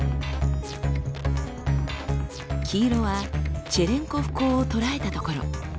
黄色はチェレンコフ光を捉えた所。